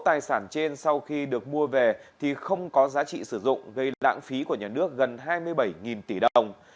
tài sản trên sau khi được mua về thì không có giá trị sử dụng gây lãng phí của nhà nước gần hai mươi bảy tỷ đồng